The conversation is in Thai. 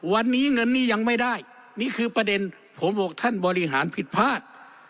วันนี้เงินหนี้ยังไม่ได้นี่คือประเด็นผมบอกท่านบริหารผิดพลาด